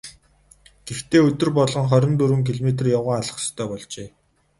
Гэхдээ өдөр болгон хорин дөрвөн километр явган явах ёстой болжээ.